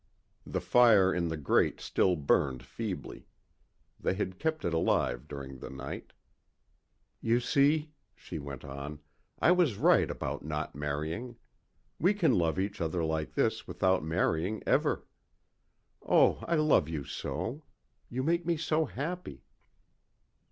The fire in the grate still burned feebly. They had kept it alive during the night. "You see," she went on, "I was right about not marrying. We can love each other like this without marrying ever. Oh I love you so. You make me so happy."